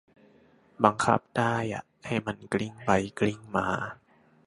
บังคับได้อะ ให้มันกลิ้งไปกลิ้งมา